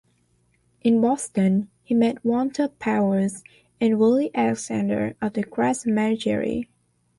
In Boston he met Walter Powers and Willie Alexander of the Grass Managerie.